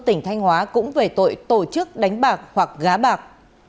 tỉnh thanh hóa cũng về tội tổ chức đánh bạc hoặc gá bạc